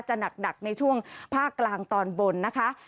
หนักในช่วงภาคกลางตอนบนนะคะ